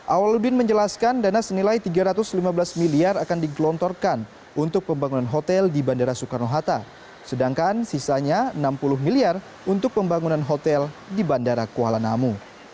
awaludin menjelaskan dana senilai rp tiga ratus lima belas miliar akan digelontorkan untuk pembangunan hotel di bandara soekarno hatta sedangkan sisanya rp enam puluh miliar untuk pembangunan hotel di bandara kuala namu